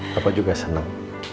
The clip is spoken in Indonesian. bapak juga senang